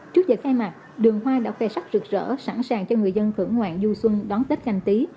trước giờ khai mạc đường hoa đã khoe sắc rực rỡ sẵn sàng cho người dân thưởng ngoạn du xuân đón tết canh tí